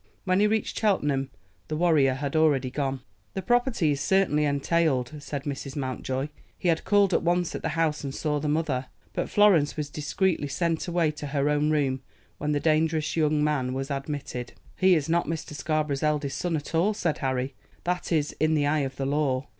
When he reached Cheltenham the warrior had already gone. "The property is certainly entailed," said Mrs. Mountjoy. He had called at once at the house and saw the mother, but Florence was discreetly sent away to her own room when the dangerous young man was admitted. "He is not Mr. Scarborough's eldest son at all," said Harry; "that is, in the eye of the law."